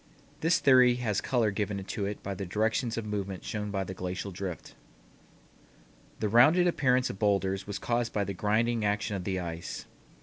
This theory has color given to it by the directions of movement shown by the glacial drift. The rounded appearance of bowlders was caused by the grinding action of the ice.